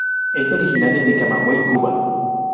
Es originaria de Camagüey, Cuba.